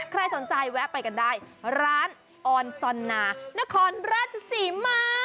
ใครสนใจแวะไปกันได้ร้านออนซอลนารสเด็ดด้วยนครราชศรีมา